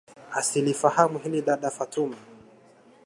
Asilifahamu hili Dada Fatuma